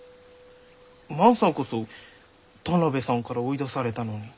万さんこそ田邊さんから追い出されたのに。